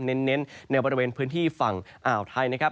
ก็จะมีการแผ่ลงมาแตะบ้างนะครับ